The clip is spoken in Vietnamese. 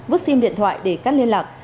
vứt sim điện thoại để cắt liên lạc